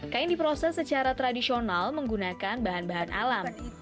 kain diproses secara tradisional menggunakan bahan bahan alam